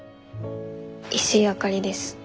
石井あかりです。